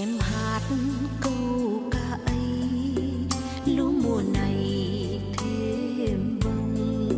em hát câu ca ấy lúc mùa này thêm vòng